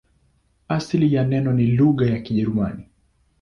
Asili ya neno ni lugha ya Kijerumani.